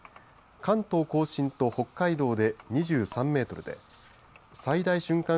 関東甲信と北海道で２３メートルで最大瞬間